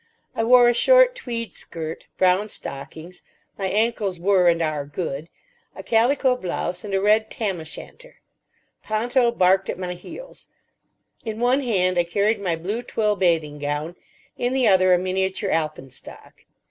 I wore a short tweed skirt, brown stockings—my ankles were, and are, good—a calico blouse, and a red tam o' shanter. Ponto barked at my heels. In one hand I carried my blue twill bathing gown. In the other a miniature alpenstock.